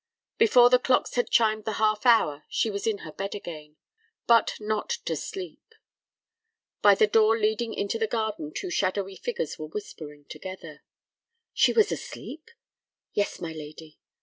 Before the clocks had chimed the half hour she was in her bed again, but not to sleep. By the door leading into the garden two shadowy figures were whispering together. "She was asleep?" "Yes, my lady."